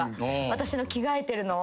私の着替えてるのを。